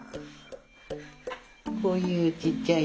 こういうちっちゃい。